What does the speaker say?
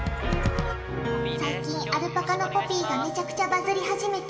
最近、アルパカのポピーがめちゃくちゃバズり始めた。